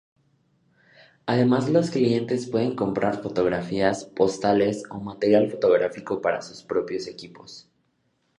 Además, los clientes pueden comprar fotografías, postales o material fotográfico para sus propios equipos.